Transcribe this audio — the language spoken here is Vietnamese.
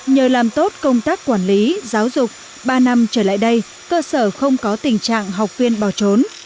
nhờ làm tốt công tác quản lý giáo dục ba năm trở lại đây cơ sở không có tình trạng học viên bò trốn